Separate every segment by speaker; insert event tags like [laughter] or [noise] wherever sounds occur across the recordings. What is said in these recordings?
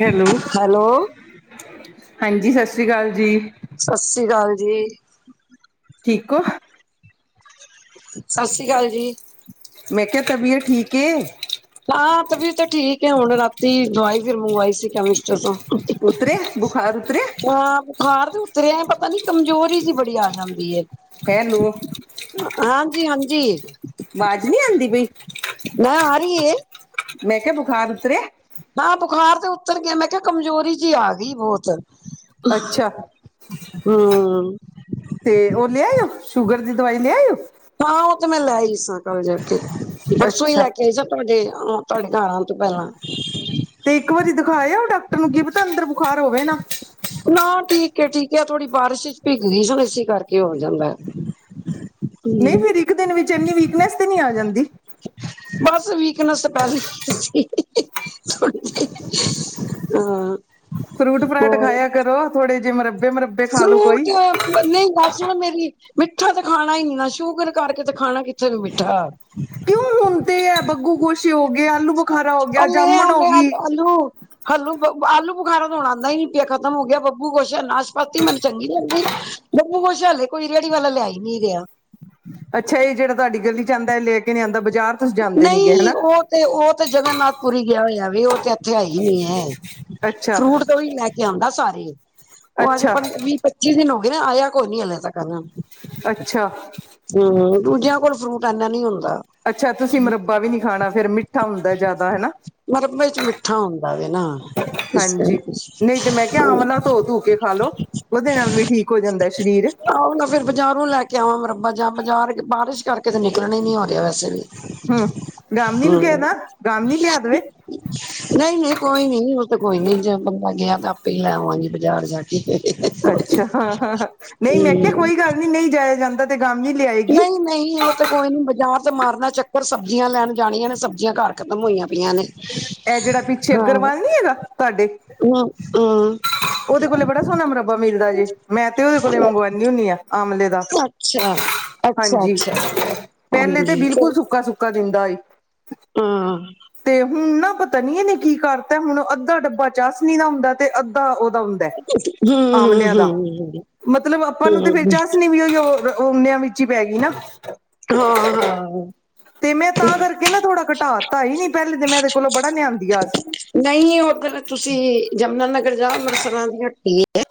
Speaker 1: Hello!
Speaker 2: Hello,
Speaker 1: ਹਾਂਜੀ ਸਘਸ੍ਰੀ ਕਾਲ ਜੀ।
Speaker 2: ਸਸੀ ਕਾਲ ਜੀ।
Speaker 1: ਠੀਕ ਔ
Speaker 2: ਸਸਸ੍ਰੀ ਕਾਲ ਜੀ।
Speaker 1: ਮੈਂ ਕਿਹਾ ਤਬੀਅਤ ਠੀਕ ਏ!
Speaker 2: ਹਾਂ ਤਬੀਅਤ ਤੇ ਠੀਕ ਹੈ ਹੁਣ ਰਾਤੀ ਦਵਾਈ ਫਿਰ ਮੰਗਵਾਈ ਸੀ ਕੈਮਿਸਟਰ ਤੋਂ।
Speaker 1: ਉਤਰਿਆ ਬੁਖਾਰ ਉਤਰਿਆ।
Speaker 2: ਤੇ ਆਪ ਬੁਖਾਰ ਤੇ ਉਤਰਿਆ ਪਤਾ ਨੀ ਕਮਜੋਰੀ ਜੀ ਬੜੀ ਆ ਜਾਂਦੀ ਏ।
Speaker 1: ਹੈਲੋ।
Speaker 2: ਹਾਂਜੀ- ਹਾਂਜੀ।
Speaker 1: ਵਾਜ਼ ਨੀ ਆਂਦੀ ਪਈ।
Speaker 2: ਨਾ ਆ ਰਹੀ ਏ।
Speaker 1: ਮੈਂ ਕਿਹਾ ਬੁਖਾਰ ਉਤਰਿਆ।
Speaker 2: ਹਾਂ, ਬੁਖਾਰ ਤੇ ਉੱਤਰ ਗਿਆ ਮੈਂ ਕਿਹਾ ਕਮਜ਼ੋਰੀ ਜੀ ਆ ਗਈ ਬਹੁਤ। ਅਹ,
Speaker 1: ਅੱਛਾ
Speaker 2: ਹਮ।
Speaker 1: ਤੇ ਔਹ ਲਿਆਇਓ ਸ਼ੂਗਰ ਦੀ ਦਵਾਈ ਲਿਆਇਓ।
Speaker 2: ਹਾਂ ਉਹ ਤੇ ਮੈਂ ਲੈ ਹੀ ਈ ਸਾਂ ਕਲ ਜਾ ਕੇ ਪਰਸੋਂ ਹੀ
Speaker 1: ਅੱਛਾ
Speaker 2: ਲੈ ਕੇ ਆਈ। ਤੁਹਾਡੇ ਤੁਹਾਡੇ ਘਰ ਆਣ ਤੋਂ ਪਹਿਲਾਂ
Speaker 1: ਤੇ ਇੱਕ ਵਾਰੀ ਦਿਖਾ ਆਓ ਡਾਕਟਰ ਨੂੰ ਕੀ ਪਤਾ ਅੰਦਰ ਬੁਖਾਰ ਹੋਵੇ ਨਾ।
Speaker 2: ਨਾ ਠੀਕ ਏ ਠੀਕ ਏ, ਆ ਥੋੜ੍ਹੀ ਬਾਰਿਸ਼ ਚ ਭਿੱਗ ਗਈ ਹਣ ਇਸੇ ਕਰਕੇ ਹੋ ਜਾਂਦਾ।
Speaker 1: ਨਹੀਂ
Speaker 2: ਹੂੰ।
Speaker 1: ਫਿਰ ਇੱਕ ਦਿਨ ਵਿੱਚ ਇੰਨੀ ਵੀਕਨੈਸ ਤੇ ਨਹੀਂ ਆ ਜਾਂਦੀ।
Speaker 2: ਬਸ ਵੀਕਨੈਸ ਪਹਿਲੀ ਹੀ ਸੀ ਅਈਈਈਈਈ ਥੇੜੀ ਜੀ ਈਈਈਈ ਹਾਂਅ
Speaker 1: ਫਰੂਟ ਫਰਾਟ ਖਾਇਆ ਕਰੋ ਥੋੜੇ ਜਿਹੇ ਮੱਰ
Speaker 2: ਫਰੂਟ ਆ, ਨਹੀਂ ਗਲ ਸੁਣ ਮੇਰੀ। ਮਿੱਠਾ ਤਾਂ ਖਾਣਾ ਇੰਨਾ ਸ਼ੂਗਰ ਕਰਕੇ ਤੇ ਖਾਣਾ ਕਿੱਥੇ ਵੇ ਮਿੱਠਾ।
Speaker 1: ਕਿਉਂ ਹੁਣ ਤੇ ਇਹ ਬੱਗੂ ਗੋਸ਼ੇ ਹੋ ਗਏ ਆਲੂ। ਬੁਖਾਰਾ ਹੋ ਗਿਆ
Speaker 2: ਲੇ ਇਹ
Speaker 1: ਜਾਮਣ
Speaker 2: ਆਲ
Speaker 1: ਹੋ
Speaker 2: ਆਲ
Speaker 1: ਗਈ
Speaker 2: ਆਲੂ। ਹਾਲੂ ਆਲੂ ਬੁਖਾਰਾ ਤਾਂ ਹੁਣ ਆਉਂਦਾ ਨੀ ਪਿਆ ਖਤਮ ਹੋ ਗਿਆ ਬਬੂ ਗੋਸ਼ਾ, ਨਾਸ਼ਪਾਤੀ। ਸ਼ਪਾਤੀ ਮੈਨੂੰ ਚੰਗੀ ਨਹੀਂ ਲੱਗਦੀ ਬਬੂ ਗੋਸ਼ਾ ਹਾਲੇ ਕੋਈ ਰੇਹੜੀ ਵਾਲਾ ਲਿਆ ਹੀ ਨੀ ਰਿਹਾ ਹੈ।
Speaker 1: ਅੱਛਾ ਇਹ ਜਿਹੜਾ ਤੁਹਾਡੀ ਗਲੀ 'ਚ ਆਉਂਦਾ ਇਹ ਲੈ ਕੇ ਨਹੀਂ ਆਉਂਦਾ ਬਾਜ਼ਾਰ। ਤੁਸੀਂ ਜਾਂਦੇ ਨੀ ਗੇ
Speaker 2: ਨਹੀਂ
Speaker 1: ਹਨਾ
Speaker 2: ਔਹ ਤੇ ਔਹ ਤੇ ਜਗਨਨਾਥ ਪੁਰੀ ਗਿਆ ਹੋਇਆ ਵੇ ਉਹ ਤੇ। [unintelligible]
Speaker 1: ਅੱਛਾ
Speaker 2: ਫਰੂਟ ਤਾਂ ਔਹੀ ਲੈ ਕੇ ਆਉਂਦਾ ਸਾਰੇ ਔਹ ਅੱਜ
Speaker 1: ਅੱਛਾ
Speaker 2: ਵੀਹ ਪੱਚੀ। ਵੀਹ ਦਿਨ ਹੋ ਗਏ ਨੇ ਆਇਆ ਕੌ ਈ ਨੀ ਹਲੇ ਤਕ ਕਰਨਾ ਮੈ
Speaker 1: ਅੱਛਾ।
Speaker 2: ਹਮ ਦੂਜਿਆਂ ਕੋਲ ਫਰੂਟ ਆਦਾ ਨੀ ਹੁਨ।
Speaker 1: ਅੱਛਾ ਤੁਸੀਂ ਮੁਰੱਬਾ ਵੀ ਨੀ ਖਾਣਾ ਫੇਰ ਮਿੱਠਾ ਹੁੰਦਾ ਜ਼ਿਆਦਾ ਹੈਨਾ।
Speaker 2: ਮਰੱਬੇ ਚ ਮਿੱਠਾ ਹੁੰਦਾ ਵੈ ਨਾ ਇਸ
Speaker 1: ਹਾਂਜੀ
Speaker 2: ਕਰਕੇ।
Speaker 1: ਨਹੀਂ ਤੇ ਮੈਂ ਕਿਹਾ ਆਵਲਾ ਧੋ ਧੂ ਕੇ ਖਾ ਲੋ ਉਹਦੇ ਨਾਲ ਵੀ ਠੀਕ ਹੋ ਜਾਂਦਾ ਸ਼ਰੀਰ।
Speaker 2: ਆਓ ਨਾ ਫੇਰ ਬਾਜ਼ਾਰੋਂ ਲੈ ਕੇ ਆਵਾਂ ਮੁਰੱਬਾ ਜਾਂ ਬਾਜ਼ਾਰ ਬਾਰਿਸ਼ ਕਰਕੇ ਤੇ ਨਿਕਲਣ ਹੀ ਨੀ ਹੋ ਰਿਹਾ ਵੈਸੇ ਵੀ।
Speaker 1: ਹਮ ਗਾਮੀ ਨੂੰ ਕਹਿ
Speaker 2: ਹੂੰ
Speaker 1: ਦਾ ਗਾਮੀਨੀ ਲਿਆ ਦੇਵੇ।
Speaker 2: ਨਹੀਂ ਨਹੀਂ ਕੋਈ ਨੀ ਔਹ ਤੇ ਕੋਈ ਨੀ ਜੇ ਬੰਦਾ ਗਿਆ ਤਾਂ ਆਪੇ ਹੀ ਲੈਵਾਂਗੀ ਬਾਜ਼ਾਰ ਜਾ ਕੇ ਹਾ ਹਾ ਹਾ [unintelligible]
Speaker 1: ਅੱਛਾ ਹਾਂ ਹਾਂ ਹਾਂ ਨਹੀਂ ਮੈਂ ਕਿਹਾ ਕੋਈ ਗੱਲ ਨਹੀਂ ਨਹੀਂ ਜਾਇਆ ਜਾਂਦਾ। ਤੇ ਗਾਮਨੀ ਲਿਆਏਗੀ
Speaker 2: ਨਹੀਂ ਨਹੀਂ ਔਹ ਤੇ ਕੋਈ ਨੀ ਬਾਜ਼ਾਰ ਤੇ ਮਾਰਨਾ ਚੱਕਰ ਸਬਜ਼ੀਆਂ ਲੈਣ ਜਾਣੀਆਂ ਨੇ ਸਬਜ਼ੀਆਂ ਘਰ ਖ਼ਤਮ ਹੋਈਆਂ ਪਈਆਂ ਨੇ।
Speaker 1: ਇਹ ਜਿਹੜਾ ਪਿੱਛੇ ਅੱਗਰਵਾਲ ਨੀ ਹੈਗਾ ਤੁਹਾਡੇ।
Speaker 2: ਉਹਹਾਂ। [unintelligible]
Speaker 1: ਉਹਦੇ ਕੋਲੇ ਬੜਾ ਸੋਹਣਾ ਮੁਰਬਾ ਮਿਲਦਾ ਜੇ ਮੈਂ ਤੇ ਉਹਦੇ ਕੋਲੇ ਮੰਗਵਾਂਦੀ ਹੁੰਦੀ ਆ। ਆਮਲੇ ਦਾ
Speaker 2: ਅੱਛਾ, ਅੱਛਾ,
Speaker 1: ਹਾਂਜੀ
Speaker 2: ਅੱਛਾ
Speaker 1: ਪਹਿਲੇ ਤੇ
Speaker 2: ਹਾਂਜੀ ਚ
Speaker 1: ਬਿਲਕੁਲ ਸੁੱਕਾ ਸੁੱਕਾ। ਇੱਕ ਦਿੰਦਾ ਏ। [unintelligible]
Speaker 2: ਹਾਂ।
Speaker 1: ਤੇ ਹੁਨ ਨਾ ਪਤਾ ਨੀ ਇਹਨੇ ਕੀ ਕਰਤਾ ਹੁਣ ਅੱਧਾ ਡੱਬਾ ਚਾਸ਼ਨੀ ਦਾ ਹੁੰਦਾ। ਤੇ ਅੱਧਾ ਉਹਦਾ ਹੁੰਦਾ। ਆਮਲਿਆਂ ਦਾ
Speaker 2: ਹੂੰ-ਹੂੰ,
Speaker 1: ਮਤਲਬ ਆਪਾਂ ਨੂੰ ਤੇ ਫੇਰ
Speaker 2: ਹੂੰ,
Speaker 1: ਚਾਸ਼ਨੀ ਵੀ ਉਹੀਂ ੳ ਉਲੇਆ ਵਿਚ। ਵਿਚੀ ਪੈ ਗੀ ਨਾ।
Speaker 2: ਹਾਂ ਹਾਂ।
Speaker 1: ਤੇ ਮੈਂ ਤਾਂ ਕਰਕੇ ਨਾ ਥੋੜਾ ਘਟਾ ਦਿੱਤਾ ਸੀ ਨੀ ਪਹਿਲੇ ਤੇ ਮੈਂ ਇਹਦੇ ਕੋਲੋਂ ਬੜਾ ਲਿਆਂਦੀ ਆਸ।
Speaker 2: ਨਹੀਂ ਉੱਧਰ ਤੁਸੀਂ ਜਮਨਾਨਗਰ ਜਾੳ ਅੰਮ੍ਰਿਤਸਰਾਂ ਦੀ ਹਟੀ ਏ।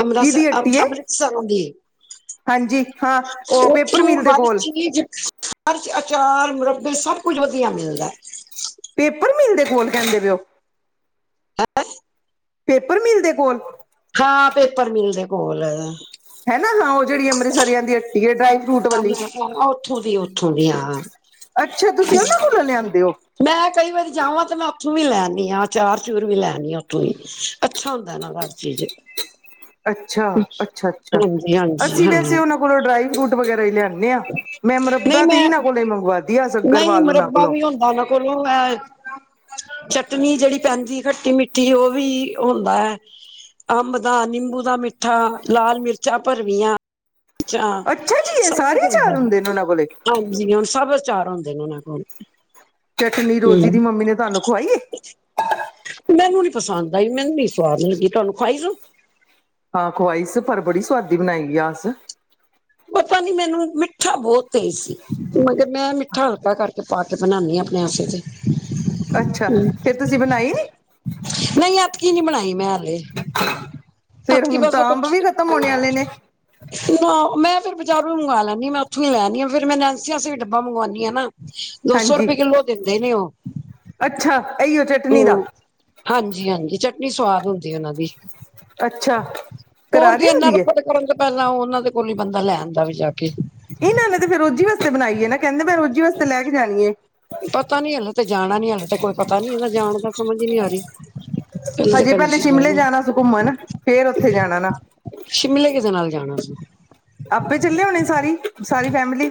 Speaker 2: ਅੰਮ੍ਰਤ
Speaker 1: ਕਿਹਦੀ ਹੱਟੀ ਏ
Speaker 2: ਅੰਮ੍ਰਿਤਸਰਾ ਦੀ।
Speaker 1: ਹਾਂਜੀ ਹਾਂ ਉਹ ਪੇਪਰ
Speaker 2: ਉੱਥੋਂ
Speaker 1: ਮਿਲ
Speaker 2: ੳਹ
Speaker 1: ਦੇ
Speaker 2: ਹਰ
Speaker 1: ਕੋਲ
Speaker 2: ਚੀਜ਼। ਹਰ ਆਚਾਰ, ਮੁਰੱਬੇ ਸਭ ਕੁੱਝ ਵਧੀਆ ਮਿਲਦਾ।
Speaker 1: ਪੇਪਰ ਮਿਲ ਦੇ ਕੋਲ ਕਹਿੰਦੇ ਪੇ ੳ।
Speaker 2: ਹੈਂ। [unintelligible]
Speaker 1: ਪੇਪਰ ਮਿਲ ਦੇ ਕੋਲ।
Speaker 2: ਹਾਂ ਪੇਪਰ ਮਿਲ ਦੇ ਕੋਲ।
Speaker 1: ਹੈ ਨਾ ਹਾਂ ਉਹ ਜਿਹੜੀ ਅੰਮ੍ਰਿਤਸਰੀਆਂ ਦੀ ਹੱਟੀ ਡਰਾਈ। ਫਰੂਟ ਵਾਲੀ
Speaker 2: ਹਾਂ ਉੱਥੋਂ ਦੀ ਉੱਥੋਂ ਦੀ ਹਾਂ।
Speaker 1: ਅੱਛਾ ਤੁਸੀਂ ਉਹਨਾਂ ਕੋਲੋਂ ਲਿਆਂਦੇ ਹੋ।
Speaker 2: ਮੈਂ ਕਈ ਵਾਰੀ ਜਾਵਾਂ ਤੇ ਮੈਂ ਉੱਥੋਂ ਵੀ ਲੈਨੀ ਆਂ ਅਚਾਰ ਚੁਰ ਵੀ ਲੈ ਆਨੀ ਆ ਉੱਥੋਂ ਵੀ। ਅੱਛਾ ਹੁੰਦਾ ਨਾ ਹਰ ਚੀਜ਼।
Speaker 1: ਅੱਛਾ ਅੱਛਾ ਅੱਛਾ
Speaker 2: ਹਾਂਜੀ ਹਾਂਜੀ
Speaker 1: ਅਸੀਂ
Speaker 2: ਹਾਂ
Speaker 1: ਵੈਸੇ ਉਹਨਾਂ ਕੋਲੋਂ ਡਰਾਈ ਫਰੂਟ ਵਗੈਰਾ ਹੀ ਲਿਆਨੇ। ਨਿਆ ਮੈਂ
Speaker 2: ਨਹੀਂ
Speaker 1: ਮੁਰੱਬਾ ਤੇ
Speaker 2: ਮੈਂ
Speaker 1: ਇਨਾਂ ਕੋਲੋਂ ਮੰਗਵਾਦੀ ਆ ਅਗਰਵਾਲ ਉਹਨਾਂ ਕੋਲੋਂ।
Speaker 2: ਕੋਲ਼ੇ ਹੈ। [unintelligible] ਚਟਨੀ ਜਿਹੜੀ ਪੈਂਦੀ ਖੱਟੀ ਮਿੱਠੀ ਉਹ ਵੀ ਹੁੰਦਾ ਹੈ। ਅੰਬ ਦਾ ਨਿੰਬੂ ਦਾ ਮਿੱਠਾ ਲਾਲ ਮਿਰਚਾਂ ਭਰਵੀਆਂ। ਅੱਛਾ
Speaker 1: ਜੀ ਇਹ
Speaker 2: ਸਭ
Speaker 1: ਸਾਰੇ
Speaker 2: ਕੁਛ
Speaker 1: ਅਚਾਰ
Speaker 2: ਹੋਂਦਾ ਜੀ
Speaker 1: ਹੁੰਦੇ ਨੇ ਉਹਨਾਂ ਕੋਲੇ।
Speaker 2: ਹਾਂਜ ਜੀ ਹੁਣ ਸਭ ਅਚਾਰ ਹੁੰਦੇ ਨੇ ਉਹਨਾਂ ਕੋਲ।
Speaker 1: ਚਟਨੀ ਰੋਜ਼ੀ ਦੀ
Speaker 2: ਹਮ
Speaker 1: ਮੰਮੀ ਨੇ ਤੁਹਾਨੂੰ ਖਵਾਈ ਏ।
Speaker 2: ਮੈਨੂੰ ਨੀ ਪਸੰਦ ਆਈ ਮੈਨੂੰ ਨੀ ਸਵਾਦ ਲਗੀ ਤੁਹਾਨੂੰ ਖਵਾਈ ਸੁ।
Speaker 1: ਹਾਂ ਖਵਾਈ ਸ ਪਰ ਬੜੀ ਸੁਆਦੀ ਬਨਾਈ ਆਸ।
Speaker 2: ਪਤਾ ਨੀ ਮੈਨੂੰ ਮਿੱਠਾ ਬਹੁਤ ਤੇਜ਼ ਸੀ ਮੇ ਕੇ ਮੈਂ ਮਿੱਠਾ ਹਲਕਾ ਕਰਕੇ ਪਾ ਕੇ ਬਣਾਨੀ ਹਾਂ ਅਪਣੇ ਆਸੇ ਤੇ।
Speaker 1: ਅੱਛਾ ਫੇਰ ਤੁਸੀਂ ਬਣਾਈ ਨੀ?
Speaker 2: ਨਹੀਂ ਐਤਕੀ ਨੀ ਬਣਾਈ ਮੈਂ ਹਾਲੇ। ਆਪ
Speaker 1: ਫੇਰ
Speaker 2: ਕੀ
Speaker 1: ਹੁਣ
Speaker 2: ਭਾਸ਼ਾ
Speaker 1: ਤਾਂ
Speaker 2: ਮੈਂ
Speaker 1: ਅੰਬ
Speaker 2: ਕੁਛ
Speaker 1: ਵੀ ਖ਼ਤਮ ਹੋਣੇ ਆਲੇ ਨੇ।
Speaker 2: ਨਹੀਂ। [unintelligible] ਨਾ ਮੈਂ ਫੇਰ ਬਜ਼ਾਰੋਂ ਹੀ ਮੰਗਵਾ ਲੈਂਨੀ ਆ ਮੈਂ ਉੱਥੋਂ ਹੀ ਲੈਨੀ ਆ ਫੇਰ ਮੈਂ ਨੇਨਸੀ ਆਸੇ ਵੀ ਡੱਬਾ ਮੰਗਵਾਂਨੀ ਆ ਨਾ। ਦੋ ਸੋ
Speaker 1: ਹਾਂਜੀ,
Speaker 2: ਰੁਪਏ ਕਿੱਲੋ ਦਿੰਦੇ ਨੇ ਉਹ।
Speaker 1: ਅੱਛਾ ਇਹੀ ਓ ਚਟਨੀ ਦਾ।
Speaker 2: ਹਾਂਜੀ ਹਾਂਜੀ ਚਟਨੀ ਸਵਾਦ ਹੁੰਦੀ ਹੈ ਉਹਨਾਂ ਦੀ
Speaker 1: ਅੱਛਾ।
Speaker 2: ਹੋਰ ਕੀ
Speaker 1: ਕਰਾਰੀ
Speaker 2: ਇੰਨਾ
Speaker 1: ਹੁੰਦੀ ਏ?
Speaker 2: ਕੋਲ। ਕਰਨ ਤੋਂ ਪਹਿਲਾਂ ਉਹ ਉਹਨਾਂ ਦੇ ਕੋਲ ਹੀ ਬੰਦਾ ਲੈ ਆਉਂਦਾ ਵੇ ਜਾ ਕੇ।
Speaker 1: ਇਹਨਾਂ ਨੇ ਤੇ ਫਿਰ ਰੋਜ਼ੀ ਵਾਸਤੇ ਬਣਾਈ ਏ ਨਾ ਕਹਿੰਦੇ ਮੈਂ ਰੋਜ਼ੀ ਵਾਸਤੇ ਲੈ ਕੇ ਜਾਣੀ ਏ।
Speaker 2: ਪਤਾ ਨੀ ਹਲੇ ਤੇ ਜਾਣਾ ਨੀ ਹਲੇ ਤੇ ਕੋਈ ਪਤਾ ਨੀ ਹੈਗਾ ਜਾਨ ਦਾ ਸਮਝ ਹੀ ਨਹੀਂ ਆ ਰਹੀ। ਤੇ
Speaker 1: ਹਜੇ
Speaker 2: ਕਹਿੰਦੀ
Speaker 1: ਪਹਿਲੇ
Speaker 2: ਸੀ
Speaker 1: ਸ਼ਿਮਲੇ ਜਾਣਾ ਸੀ ਘੁੰਮਣ ਫੇਰ ਉੱਥੇ ਜਾਣਾ ਨਾ।
Speaker 2: ਸ਼ਿਮਲੇ ਕਿਹਦੇ ਨਾਲ ਜਾਣਾ ਸੀ।
Speaker 1: ਆਪੇ ਚੱਲੇ ਹੋਣੇ ਸਾਰੀ ਸਾਰੀ ਫੈਮਿਲੀ।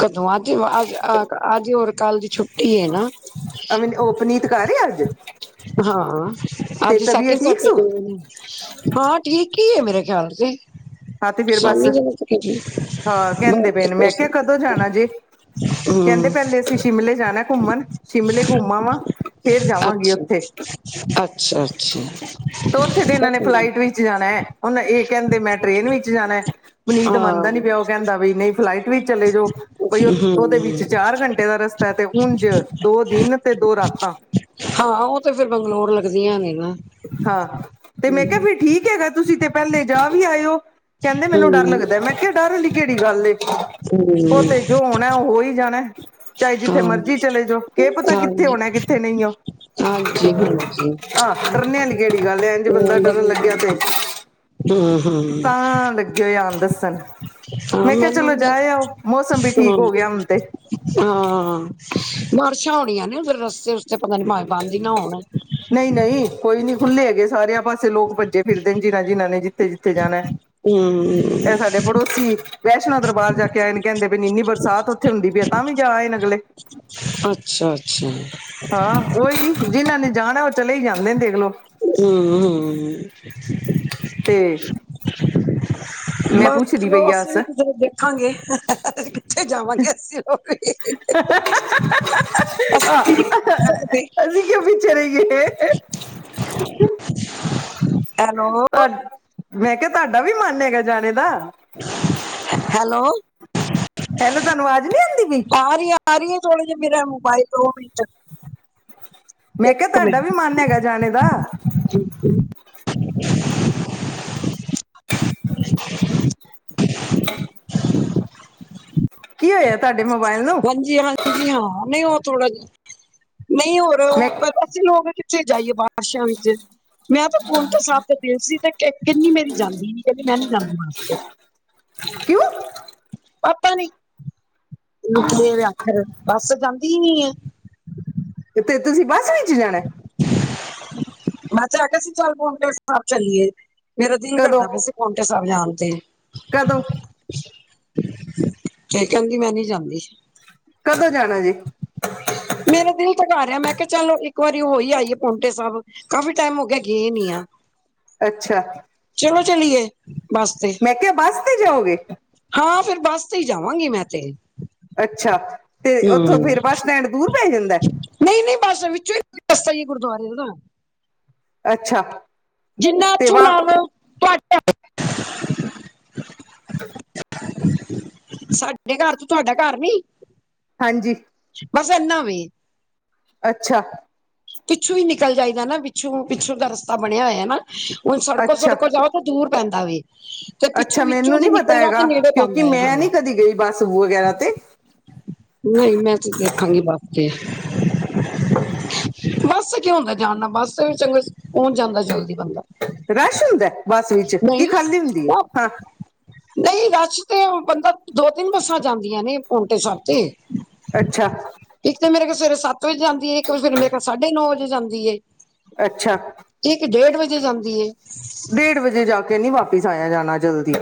Speaker 2: ਕਦੋਂ ਅੱਜ ਅੱਜ ਅੱਜ ਔਰ ਕੱਲ ਦੀ ਛੁੱਟੀ ਏ ਨਾ।
Speaker 1: ਅ ਉਹ ਓਪਨੀਤ ਘਰ ਏ ਅੱਜ।
Speaker 2: ਹਾਂ, ਅੱਜ
Speaker 1: ਤਬੀਅਤ
Speaker 2: ਸੈਕੰਡ
Speaker 1: ਠੀਕ
Speaker 2: ਸੈਟਰੜੇ
Speaker 1: ਸੂ
Speaker 2: [unintelligible] ਹਾਂ ਠੀਕ ਈ ਏ ਮੇਰੇ ਖਿਆਲ ਤੇ,
Speaker 1: ਹਾਂ ਤੇ ਫੇਰ ਬਸ
Speaker 2: ਸ਼ਾਮੀ ਦੇ [unintelligible]
Speaker 1: ਹਾਂ ਕਹਿੰਦੇ ਪਏ ਨੇ, ਮੈਂ ਕਿਹਾ ਕਦੋਂ ਜਾਨਾ ਜੇ? ਕਹਿੰਦੇ ਪਹਿਲੇ ਅਸੀਂ ਸ਼ਿਮਲੇ ਜਾਨਾ ਐ ਘੁੰਮਨ। ਸ਼ਿਮਲੇ ਘੁੰਮ ਆਵਾਂ ਫੇਰ ਜਾਵਾਂਗੀ ਓਥੇ।
Speaker 2: ਅੱਛ
Speaker 1: ਤੋਂ ਓਥੇ ਤੇ ਏਨਾਂ ਨੇ
Speaker 2: ਹੂੰ,
Speaker 1: ਫਲਾਈਟ ਵਿੱਚ ਜਾਨਾ ਐ, ਹੁਨ ਐ ਕਹਿੰਦੇ ਮੈਂ ਟ੍ਰੇਨ ਵਿੱਚ ਜਾਨਾ ਐ। ਪੁਨੀਤ ਮੰਨਦਾ ਨੀ ਪਿਆ ਓ ਕਹਿੰਦਾ ਵੀ ਨਈ ਫਲਾਈਟ ਵਿੱਚ ਚਲੇ ਜਾਓ। ਬਈ ਓ ਓਦੇ ਵਿੱਚ ਚਾਰ ਘੰਟੇ ਦਾ ਰਸਤਾ ਐ ਤੇ ਉਂਝ ਦੋ ਦਿਨ ਤੇ ਦੋ ਰਾਤਾਂ।
Speaker 2: ਹਾਂ ਓ ਤੇ ਫਿਰ ਬੰਗਲੋਰ ਲੱਗਦੀਆਂ ਨੇ ਨਾ।
Speaker 1: ਹਾਂ, ਤੇ ਮੈਂ ਕਿਹਾ
Speaker 2: ਹੂੰ।
Speaker 1: ਵੀ ਠੀਕ ਹੈਗਾ ਤੁਸੀਂ ਤੇ ਪਹਿਲੇ ਜਾ ਵੀ ਆਏ ਓ। ਕਹਿੰਦੇ ਮੈਨੂੰ ਡਰ
Speaker 2: ਹੂੰ,
Speaker 1: ਲੱਗਦਾ, ਮੈਂ ਕਿਹਾ ਡਰ ਵਾਲੀ ਕਿਹੜੀ ਗੱਲ ਏ?
Speaker 2: ਹੂੰ,
Speaker 1: ਓ ਤੇ ਜੋ ਹੋਣਾ ਵਿਆਹ ਹੋ ਹੀ ਜਾਨਾ ਐ, ਚਾਹੇ ਜਿੱਥੇ
Speaker 2: ਹਾਂ,
Speaker 1: ਮਰਜ਼ੀ ਚਲੇ ਜੋ ਕੇ ਪਤਾ ਕਿੱਥੇ ਹੋਣਾ ਕਿੱਥੇ ਨਈ ਓ।
Speaker 2: ਹਾਂਜੀ-ਹਾਂਜੀ।
Speaker 1: ਡਰਨੇ ਆਲੀ ਕਿਹੜੀ ਗੱਲ ਹੈ, ਇੰਜ ਬੰਦਾ ਡਰਨ ਲੱਗਿਆ ਤੇ
Speaker 2: ਹੂੰ,
Speaker 1: ਤਾਂ ਲੱਗੇ ਹੋਏ ਆਨ ਦੱਸਨ।
Speaker 2: ਹਾਂ
Speaker 1: ਮੈਂ ਕਿਹਾ
Speaker 2: ਮੈਨੂੰ
Speaker 1: ਚਲੋ
Speaker 2: ਹਾਂ,
Speaker 1: ਜਾਇ ਆਓ, ਮੌਸਮ ਵੀ ਠੀਕ ਹੋ ਗਿਆ ਹੁਨ ਤੇ।
Speaker 2: ਹਾਂ ਬਾਰਿਸ਼ਾਂ ਹੋਣੀਆਂ ਨੇ, ਉਧਰ ਰਸਤੇ-ਰੁਸਤੇ ਪਤਾ ਨੀ ਭਾਵੇਂ ਬੰਦ ਹੀ ਨਾ ਹੋਨ।
Speaker 1: ਨਈ-ਨਈ ਕੋਈ ਨੀ, ਖੁੱਲ੍ਹੇ ਹੈਗੇ ਸਾਰੇ ਆਪਾਂ ਸਾਰੇ ਲੋਕ ਭੱਜੇ ਫਿਰਦੇ ਨੇ, ਜਿਨ੍ਹਾਂ-ਜਿਨ੍ਹਾਂ ਨੇ ਜਿੱਥੇ-ਜਿੱਥੇ ਜਾਨਾ ਐ।
Speaker 2: ਹੂੰ।
Speaker 1: ਐ ਸਾਡੇ ਪੜੋਸੀ ਵੈਸ਼ਨੋ ਦਰਬਾਰ ਜਾ ਕੇ ਆਏ ਨੇ, ਕਹਿੰਦੇ ਪਏ ਇੰਨੀ ਬਰਸਾਤ ਓਥੇ ਹੁੰਦੀ ਪਈ ਐ ਤਾਂ ਵੀ ਜਾ ਆਏ ਨੇ ਅਗਲੇ।
Speaker 2: ਅੱਛ ਛਾ-ਅੱਛਾ।
Speaker 1: ਹਾਂ ਓਈ ਜਿਨਾਂ ਨੇ ਜਾਨਾ ਓ ਚਲੇ ਈ ਜਾਂਦੇ ਦੇਖ ਲੋ।
Speaker 2: ਹੂੰ, ਹੂੰ। ਹੂੰ।
Speaker 1: ਤੇ ਮੈਂ
Speaker 2: ਬਸ
Speaker 1: ਪੁੱਛਦੀ
Speaker 2: ਚਲੋ
Speaker 1: ਪਈ ਆ
Speaker 2: ਅਸੀਂ
Speaker 1: ਅਸ
Speaker 2: ਵੀੇ ਕਿਧਰੇ ਦੇਖਾਂਗੇ, ਕਿੱਥੇ ਜਾਵਾਂਗੇ ਅਸੀਂ ਲੋਗ ਵੀ।
Speaker 1: [unintelligible]
Speaker 2: ਅਸੀਂ ਵੀ ਨਿਕਲ ਨੀ ਕਰ ਸਕਦੇ
Speaker 1: ਅਸੀਂ ਕਿਉ ਪਿੱਛੇ ਰਹਿਏ।
Speaker 2: [inaudible]
Speaker 1: ਤੁਹਡ, ਮੈਂ ਕਿਹਾ ਤੁਹਾਡਾ ਵੀ ਮਨ ਹੈਗਾ ਜਾਣੇ ਦਾ।
Speaker 2: ਹੈਲੋ।
Speaker 1: ਹੈਲੋ, ਤੁਹਾਨੂੰ ਆਵਾਜ ਨੀ ਆਂਦੀ ਪਈ?
Speaker 2: ਆ ਰਹੀ ਆ ਰੀ ਏ, ਥੋੜੇ ਜੇ ਮੇਰਾ ਮੋਬਾਈਲ ਦੋ ਮਿੰਟ
Speaker 1: ਮੈਂ ਕਿਹਾ ਤੁਹਾਡਾ ਵੀ ਮਨ ਹੈਗਾ ਜਾਨੇ ਦਾ।
Speaker 2: ਜੀ। [inaudible]
Speaker 1: [inaudible] ਕੀ ਹੋਇਆ ਤੁਹਾਡੇ ਮੋਬਾਈਲ ਨੂੰ
Speaker 2: ਹਾਂਜੀ, ਹਾਂ ਹਾਂਜੀ ਹਾਂ, ਨਈ ਓ ਥੋੜਾ ਜਾ, ਨਈ ਹੋਰ
Speaker 1: ਮੈਂ
Speaker 2: [unintelligible] ਅਸੀਂ ਵੀ ਲੋਕ ਕਿੱਥੇ ਜਾਈਏ ਬਾਰਸ਼ਾਂ ਵਿੱਚ। ਮੈਂ ਤਾਂ ਫੋਨ ਤੋਂ ਸਾਬ ਤੇ ਦਿਲ ਸੀ ਤੇ ਕਿੰਨੀ ਮੇਰੀ ਜਾਂਦੀ ਨੀ ਕਹਿੰਦੀ ਮੈਂ ਨੀ ਜਾਂਦੀ [unintelligible]
Speaker 1: [inaudible]
Speaker 2: ਪਤਾ ਨੀ [unintelligible] ਬੱਸ ਜਾਂਦੀ ਈ ਨੀ ਐ।
Speaker 1: ਤੇ ਤੁਸੀਂ ਬੱਸ ਵਿੱਚ ਜਾਣਾ ਐ?
Speaker 2: ਮੈਂ ਚੱਲ [unintelligible] ਚੱਲ ਪੌਂਟੇ ਸਾਹਬ ਚੱਲੀਏ। ਮੇਰਾ ਦਿਲ
Speaker 1: ਕਦੋਂ
Speaker 2: ਕਰਦਾ ਪਿਆ ਸੀ ਪੌਂਟਾ ਸਾਹਬ ਜਾਨ ਤੇ।
Speaker 1: ਕਦੋਂ।
Speaker 2: ਕੇ ਕਹਿੰਦੀ ਮੈਂ ਨੀ ਜਾਂਦੀ।
Speaker 1: ਕਦੋਂ ਜਾਣਾ ਜੇ?
Speaker 2: ਮੇਰਾ ਦਿਲ ਤੇ ਕਰ ਰਿਹਾ ਮੈਂ ਕਿਆ ਚਲੋ, ਇੱ ਇੱਕ ਆਰੀ ਹੋਈ ਆਈਏ ਪੌਂਟੇ ਸਾਬ। ਕਾਫੀ ਟੈਮ ਹੋ ਗਿਆ ਗੇ ਨੀ ਆ।
Speaker 1: ਅੱਛਾ।
Speaker 2: ਚਲੋ ਚਲੀਏ। ਬੱਸ ਤੇ,
Speaker 1: ਮੈਂ ਕਿਆ ਬੱਸ ਤੇ ਜਾਓਗੇ।
Speaker 2: ਹਾਂ, ਫੇਰ ਬੱਸ ਤੇ ਈ ਜਾਵਾਂਗੀ ਮੈਂ ਤੇ।
Speaker 1: ਅੱਛਾ, ਤੇ ਉੱਥੋਂ
Speaker 2: ਹੂੰ,
Speaker 1: ਫਿਰ ਬੱਸਟੈਂਡ ਦੂਰ ਪੈ ਜਾਂਦੈ।
Speaker 2: ਨਹੀਂ-ਨਹੀਂ ਬਸ ਵਿੱਚੋਂ, ਈ ਰਸਤਾ ਈ ਗੁਰਦੁਆਰੇ ਦਾ।
Speaker 1: ਅੱਛਾ।
Speaker 2: ਜਿੰਨਾ
Speaker 1: ਤੇ
Speaker 2: ਇਥੋਂ
Speaker 1: ਵਾਹ
Speaker 2: ਲਾਵੋ [unintelligible] ਸਾਡੇ ਘਰ ਤੋ ਤੁਹਾਡਾ ਘਰ ਨੀ।
Speaker 1: ਹਾਂਜੀ।
Speaker 2: ਬਸ ਐਨਾ ਵੇ।
Speaker 1: ਅੱਛਾ।
Speaker 2: ਪਿੱਛੋਂਈ ਨਿਕਲ ਜਾਈਦਾ ਨਾ ਪਿੱਛੋਂ, ਪਿੱਛੋਂ ਦਾ ਰਸਤਾ ਬਣਿਆ ਹੋਇਆ ਨਾ। ਓ
Speaker 1: ਅੱਛਾ
Speaker 2: ਸੜਕੋ-ਸੜਕੋ ਜਾਓ ਤਾਂ ਦੂਰ ਪੈਂਦਾ ਵੇ। ਤੇ ਪਿੱਛੋਂ
Speaker 1: ਅੱਛਾ
Speaker 2: ਵਿੱਚੋਂ
Speaker 1: ਮੈਨੂੰ
Speaker 2: ਦੀ
Speaker 1: ਨੀ ਪਤਾ
Speaker 2: ਨਿਕਲ ਜਾਓ ਤੇ
Speaker 1: ਹੈਗਾ
Speaker 2: ਨੇੜੇ
Speaker 1: ਕਿਉਂਕਿ
Speaker 2: ਪੈਂਂਦਾ ਏ,
Speaker 1: ਮੈਂ ਨੀ
Speaker 2: ਹਾਂ।
Speaker 1: ਕਦੀ ਗਈ ਬੱਸ ਵਗੈਰਾ ਤੇ
Speaker 2: ਨਈ ਮੈਂ ਤੇ ਦੇਖਾਂਗੀ ਬਸ ਤੇ ਬੱਸ ਕਿ ਹੁੰਦੈ ਜਾਣਨਾ ਬੱਸ ਚੰਗ, ਪਹੁੰਚ ਜਾਂਦ ਜਲਦੀ ਬੰਦਾ,
Speaker 1: ਰਸ਼ ਹੁੰਦਾ ਬੱਸ ਵਿੱਚ ਕੀ
Speaker 2: ਨਹੀਂ
Speaker 1: ਖਾਲੀ ਹੁੰਦੀ ਹੈ ਹਾਂ
Speaker 2: [unintelligible] ਨਹੀਂ ਰਸ਼ ਤੇ ਓ, ਬੰਦਾ ਦੋ-ਤਿੰਨ ਬੱਸਾਂ ਜਾਂਦੀਆਂ ਨੇ ਪੋਂਟੇ ਸਾਬ ਤੇ।
Speaker 1: ਅੱਛਾ।
Speaker 2: ਇੱਕ ਤੇ ਮੇਰੇ ਯਾਲ ਸਵੇਰੇ ਸੱਤ ਵਜੇ ਜਾਂਦੀ ਏ। ਇੱਕ ਫਿਰ ਮੇਰੇ ਯਾਲ ਸਾਢੇ ਨੌ ਵਜੇ ਜਾਂਦੀ ਏ।
Speaker 1: ਅੱਛਾ।
Speaker 2: ਇਕ ਡੇਢ ਵਜੇ ਜਾਂਦੀ ਏ।
Speaker 1: ਡੇਢ ਵਜੇ ਜਾ ਕੇ ਨੀ ਵਾਪਿਸ ਆਇਆ ਜਾਣਾ ਜਲਦੀ।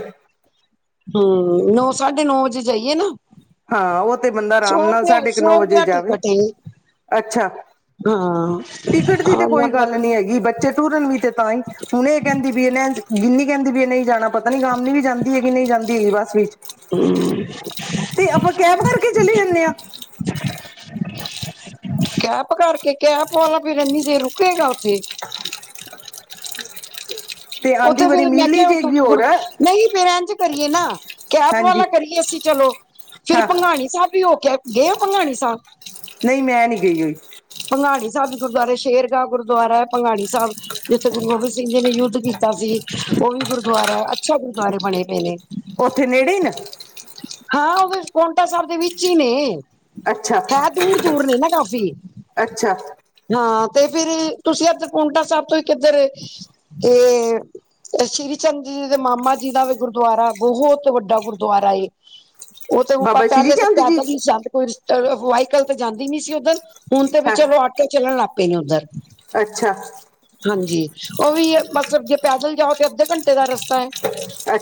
Speaker 2: ਹਮ, ਨੌ ਸਾਢੇ ਨੌ ਅਜੇ ਜਾਈਏ ਨਾ
Speaker 1: ਹਾਂ, ਉਹ ਤੇ ਬੰਦਾ ਰਾਮ
Speaker 2: ਸੌ
Speaker 1: ਨਾਲ
Speaker 2: ਰੁਪਇਆ
Speaker 1: ਸਾਢੇ ਕ
Speaker 2: ਸੌ
Speaker 1: ਨੌ ਵਜੇ
Speaker 2: ਰੁਪਇਆ
Speaker 1: ਜਾਵੇ।
Speaker 2: ਟਿਕਟ ਏ
Speaker 1: ਅੱਛਾ,
Speaker 2: ਹਾਂ ਆਣ
Speaker 1: ਟਿਕਟ ਦੀ ਤੇ ਕੋਈ
Speaker 2: ਜਾਂਦਾ
Speaker 1: ਗੱਲ ਨੀ ਹੈ ਬੱਚੇ ਤੁਰਨ ਵੀ ਤੇ ਤਾਂ ਈ, ਹੁਣ ਇਹ ਕਹਿਦੀ ਵੀ, [unintelligible] ਗਿਨੀ ਕਹਿਦੀ ਵੀ ਇਹ ਨਈ ਜਾਣਾ। ਪਤਾ ਨੀ ਗਾਮਨੀ ਵੀ ਜਾਦੀ ਐ, ਕਿ ਨਈ ਜਾਦੀ ਬੱਸ ਵਿਚ।
Speaker 2: [inaudible]
Speaker 1: ਤੇ ਆਪਾਂ ਕੈਬ ਕਰਕੇ ਚਲੇ ਜਾਨੇ ਆਂ।
Speaker 2: ਕੈਪ ਕਰਕੇ, ਕੈਪ ਵਾਲਾ ਫਿਰ ਇਨੀ ਚਿਰ ਰੁਕੇਗਾ ਉਥੇ।
Speaker 1: ਤੇ ਆਂਦੀ
Speaker 2: ਉੱਥੇ
Speaker 1: ਵਾਰੀ
Speaker 2: ਫਿਰ ਮੈਂ
Speaker 1: ਮਿਲ ਹੀ
Speaker 2: ਕਿਹਾ ੳਥੋਂ
Speaker 1: ਜਾਏਗੀ
Speaker 2: ਗੁਰ
Speaker 1: ਹੋਰ
Speaker 2: [unintelligible] ਨਹੀਂ ਫਿਰ ਇੰਝ ਕਰੀਏ ਨਾ, ਕੈਪ
Speaker 1: ਹਾਂਜੀ
Speaker 2: ਵਾਲਾ ਕਰੀਏ ਅਸੀਂ ਚਲੋ, ਫਿਰ
Speaker 1: ਹਾਂ
Speaker 2: ਭੰਗਾਣੀ ਸਾਬ ਵੀ ਹੋ ਕੇ ਗੇ ਓ ਭੰਗਾਣੀ ਸਾਬ?
Speaker 1: ਨਈ ਮੈਂ ਨੀ ਗਈ ਓਈ।
Speaker 2: ਭੰਗਾੜੀ ਸਾਬ ਵੀ ਗੁਰਦੁਆਰੈ ਸ਼ੇਰਗਾ ਗੁਰਦੁਆਰਾ ਐ, ਭੰਗਾੜੀ ਸਾਬ ਜਿੱਥੇ ਗੁਰੂ ਗੋਬਿੰਦ ਸਿੰਘ ਜੀ ਨੇ ਯੁੱਧ ਕੀਤਾ ਸੀ। ਉਹ ਵੀ ਗੁਰਦੁਆਰਾ ਐ, ਅੱਛਾ ਗੁਰਦੁਆਰੇ ਬਣੇ ਪੇ ਨੇ।
Speaker 1: ਉੱਥੇ ਨੇੜੇ ਈ ਨ।
Speaker 2: ਹਾਂ, ਬਸ ਪੋਂਟਾ ਸਾਬ ਦੇ ਵਿੱਚੀ ਨੇ।
Speaker 1: ਅੱਛਾ,
Speaker 2: ਹੈ ਦੂਰ ਦੂਰ ਨੇ ਨਾ ਕਾਫ਼ੀ
Speaker 1: ਅੱਛਾ।
Speaker 2: ਹਾਂ, ਤੇ ਫਿਰ, ਤੁਸੀਂ ਇੱਧਰ ਪੋਂਟਾ ਸਾਬ ਤੋਂ ਕਿੱਧਰ, ਤੇ ਸ੍ਰੀ ਚੰਦ ਜੀ ਦੇ ਮਾਮਾ ਜੀ ਦਾ ਵੀ ਗੁਰਦੁਆਰਾ ਬਹੁਤ ਵੱਡਾ ਗੁਰਦੁਆਰਾ ਏ।
Speaker 1: [inaudible]
Speaker 2: ਉਹ ਤੇ, [unintelligible]
Speaker 1: ਸ਼੍ਰੀ
Speaker 2: ਪਹਿਲੇ ਤਾਂ,
Speaker 1: ਚੰਦ ਜੀ
Speaker 2: ਪੈਦਲ ਹੀ ਜਾਂਦੇ ਕੋਈ ਵਾਇਕਲ ਤੇ ਜਾਂਦੀ ਨੀ ਸੀ ਉੱਧਰ। ਹੁਣ ਤੇ ਵੀ
Speaker 1: ਹਾਂ
Speaker 2: ਚਲੋ ਆਟੋ ਚੱਲਣ ਲੱਗ ਪਏ ਨੇ ਓਦਰ
Speaker 1: ਅੱਛਾ।
Speaker 2: ਹਾਂਜੀ ਓ ਵੀ ਏ ਬਸ ਜੇ ਪੈਦਲ ਜਾਓ ਤੇ ਅੱਧੇ ਘੰਟੇ ਦਾ ਰਸਤਾ ਐ।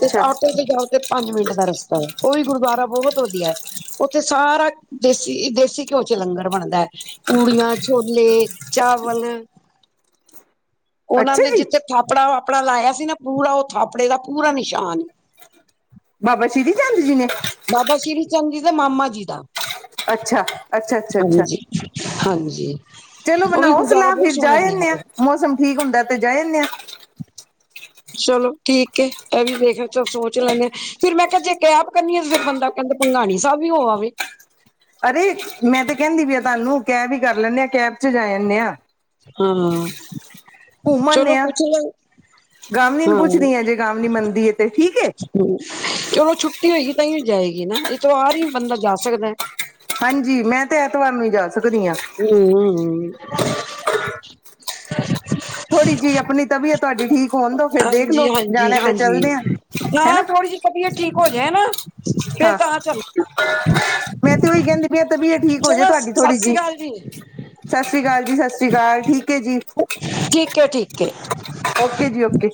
Speaker 2: ਤੇ ਆਟੋ ਤੇ ਜਾਓ ਤੇ ਪੰਜ ਮਿੰਟ ਦਾ ਰਸਤਾ ਐ, ਓ ਵੀ ਗੁਰਦੁਆਰਾ ਬਹੁਤ ਵਧੀਆ ਐ। ਓਥੇ ਸਾਰਾ ਦੇਸੀ-ਦੇਸੀ ਘਿਓ ਚ ਲੰਗਰ ਬਣਦਾ ਐ ਪੂੜੀਆਂ ਛੋਲੇ, ਚਾਵਲ ਓਨਾਂ
Speaker 1: ਅੱਛਾ
Speaker 2: ਨੇ
Speaker 1: ਜੀ
Speaker 2: ਜਿਥੇ ਥਾਪੜਾ ਵਾਪੜਾ ਲਾਇਆ ਸੀ ਨਾ ਪੂਰਾ ਓ ਥਾਪੜੇ ਦਾ ਪੂਰਾ ਨਿਸ਼ਾਨ
Speaker 1: ਬਾਬਾ ਸ਼੍ਰੀ ਚੰਦ ਜੀ ਨੇ।
Speaker 2: ਬਾਬਾ ਸ੍ਰੀ ਚੰਦ ਜੀ ਦੇ ਮਾਮਾ ਜੀ ਦਾ।
Speaker 1: ਅੱਛਾ, ਅੱਛਾ, ਅੱਛਾ, ਅੱਛਾ।
Speaker 2: ਹਾਂਜੀ ਹਾਂਜੀ।
Speaker 1: ਚਲੋ
Speaker 2: ਉਹ ਵੀ
Speaker 1: ਬਨਾਓ
Speaker 2: ਗੁਰਦੁਆਰਾ
Speaker 1: ਸਲਾਹ
Speaker 2: ਬਹੁਤ
Speaker 1: ਫਿਰ ਜਾ
Speaker 2: ਸੋਹਣਾ
Speaker 1: ਜਾਏ
Speaker 2: ਬਣਿਆ
Speaker 1: ਆਨੇ ਆ
Speaker 2: ਪਿਆ।
Speaker 1: ਮੌਸਮ ਠੀਕ ਹੁੰਦਾ ਤੇ ਜਾਏ ਆਨੇ ਆ।
Speaker 2: ਚਲੋ ਠੀਕ ਐ। ਏਹ ਵੀ ਦੇਖਕੇ ਸੋਚਲਾਗੇ ਫੇਰ ਮੈ ਕਿਆ ਜੇ ਕੈਪ ਕਰਨੀ ਆ ਫ਼ਿਰ ਬੰਦਾ ਕਹਿੰਦੇ ਭੰਗਾਣੀ ਸਾਬ ਵੀ ਹੋ ਆਵੇ।
Speaker 1: ਅਰੇ ਮੈਂ ਤੇ ਕਹਿੰਦੀ ਵੀ ਆ ਤੁਹਾਨੂੰਕੈਬ ਈ ਕਰ ਲੈਣੇ ਆ, ਕੈਬ ਚ ਜਾ ਆਨੇ ਆ।
Speaker 2: ਹਾਂ
Speaker 1: ਘੁੰਮ ਆਨੇ
Speaker 2: ਚਲੋ
Speaker 1: ਆ
Speaker 2: ਪੁੱਛ ਲਓ
Speaker 1: ਗਾਵਲੀ ਨੂੰ
Speaker 2: ਹਾਂ
Speaker 1: ਪੁੱਛਦੀ ਐ, ਜੇ ਗਾਵਲੀ ਮੰਨਦੀ ਏ ਤੇ ਠੀਕ ਐ।
Speaker 2: ਚਲੋ ਛੁੱਟੀ ਹੋਏਗੀ ਤਾਂਈਓ ਜਾਏਗੀ ਨਾ ਇਤਵਾਰ ਈ ਬੰਦਾ ਜਾ ਸਕਦੈ
Speaker 1: ਹਾਂਜੀ ਮੈ ਤੇ ਐਤਵਾਰ ਨੂੰ ਈ ਜਾ ਸਕਦੀ ਹਾਂ।
Speaker 2: ਹੂੰ-ਹੂੰ।
Speaker 1: ਥੋੜ੍ਹੀ ਜੀ ਆਪਣੀ ਤਬੀਅਤ ਤੁਆਡੀ ਠੀਕ ਹੋਣ ਦੋ, ਫੇਰ ਦੇਖ
Speaker 2: ਹਾਂਜੀ
Speaker 1: ਲੋੋ
Speaker 2: ਹਾਂਜੀ
Speaker 1: ਜਾਣਾ ਤੇ
Speaker 2: ਹਾਂਜੀ
Speaker 1: ਚੱਲਦੇ ਆ
Speaker 2: ਹਾਂ
Speaker 1: ਹੈਨਾ।
Speaker 2: ਥੋੜੀ ਜਿਹੀ ਤਬੀਅਤ ਠੀਕ ਹੋ ਜੇ ਨਾ। ਫਿਰ
Speaker 1: ਹਾਂ
Speaker 2: ਤਾਂ ਚੱਲ
Speaker 1: ਮੈ ਤੇ ਉਹੀ ਕਹਿਦੀ ਪਈ ਤਬੀਅਤ ਠੀਕ ਹੋ ਜੇ
Speaker 2: ਚਲੋ
Speaker 1: ਤੁਆਡੀ
Speaker 2: ਸਤਿ
Speaker 1: ਥੋੜ੍ਹੀ
Speaker 2: ਸ੍ਰੀ
Speaker 1: ਜੀ।
Speaker 2: ਅਕਾਲ
Speaker 1: ਸਸਸ੍ਰੀ ਅਕਾਲ ਜੀ-ਸਸ ਸ੍ਰੀ ਅਕਾਲ ਠੀਕ ਐ ਜੀ
Speaker 2: ਠੀਕ ਐ-ਠੀਕ ਐ।
Speaker 1: ਓਕੇ ਜੀ ਓਕੇ